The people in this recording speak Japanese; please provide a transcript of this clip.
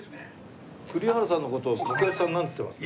栗原さんの事を掛布さんなんて言ってます？